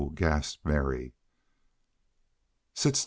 gasped Mary. "Sit still!